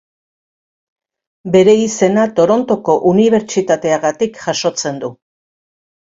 Bere izena Torontoko Unibertsitateagatik jasotzen du.